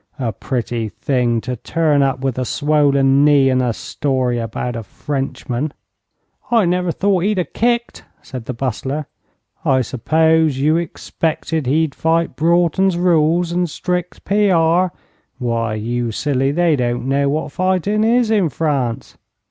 A pretty thing to turn up with a swollen knee and a story about a Frenchman!' 'I never thought he'd ha' kicked,' said the Bustler. 'I suppose you expected he'd fight Broughton's rules, and strict P.R.? Why, you silly, they don't know what fighting is in France.'